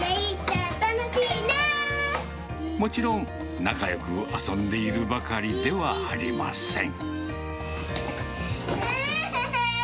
もちろん、仲よく遊んでいるばかりではありません。